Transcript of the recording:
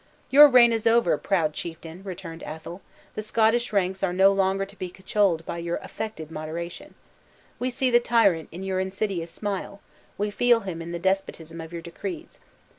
"Your reign is over, proud chieftain," rejoined Athol; "the Scottish ranks are no longer to be cajoled by your affected moderation. We see the tyrant in your insidious smile, we feel him in the despotism of your decrees.